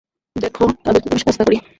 দেখো তাদের কীভাবে শায়েস্তা করি।